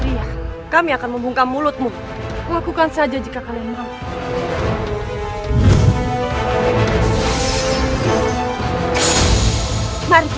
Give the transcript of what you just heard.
sumpah seorang raja besar